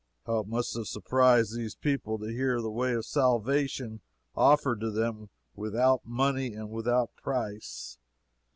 How it must have surprised these people to hear the way of salvation offered to them "without money and without price."